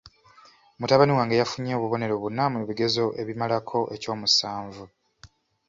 Mutabani wange yafunye obubonero buna mu bigezo ebimalako ekyomusanvu.